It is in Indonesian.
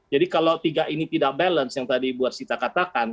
jadi kalau kita tidak balance yang tadi mbak masita katakan